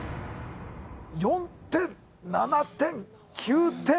４点７点９点